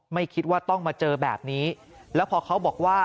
ไม่คิดว่าต้องมาเจอแบบนี้แล้วพอเขาบอกว่า